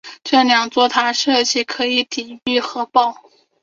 这两座塔设计成可以抵御核爆。